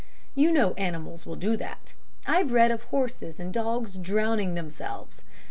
You know animals will do that. I've read of horses and dogs drowning themselves.